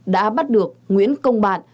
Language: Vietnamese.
đã bắt được nguyễn công bạn